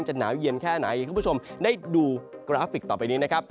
หนาวเย็นแค่ไหนให้คุณผู้ชมได้ดูกราฟิกต่อไปนี้นะครับ